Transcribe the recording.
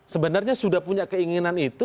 sebenarnya sudah punya keinginan itu